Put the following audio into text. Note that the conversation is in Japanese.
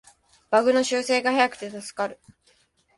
バグの修正が早くて助かる